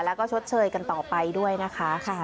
แล้วก็ชดเชยกันต่อไปด้วยนะคะ